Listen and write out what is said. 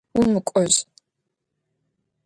Умыкӏожь!